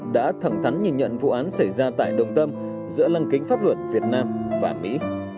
đã thẳng thắn nhìn nhận vụ án xảy ra tại đồng tâm giữa lăng kính pháp luật việt nam và mỹ